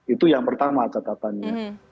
itu yang pertama katanya